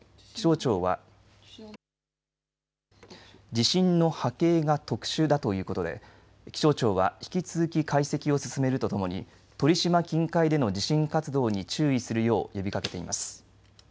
地震の波形が特殊だということで気象庁は引き続き解析を進めるとともに鳥島近海での地震活動に注意するよう呼びかけています。